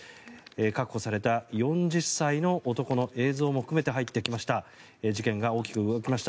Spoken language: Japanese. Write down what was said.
確保された４０歳の男の映像も含めて入ってきました。